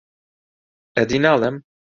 ئەدی ناڵێم